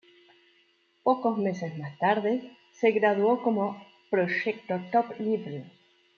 Pocos meses más tarde, se graduó como proyecto "top-level".